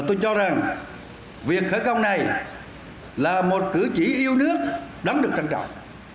tôi cho rằng việc khởi công này là một cử chỉ yêu nước đáng được trân trọng